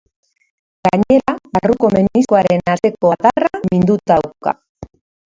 Gainera, barruko meniskoaren atzeko adarra minduta dauka.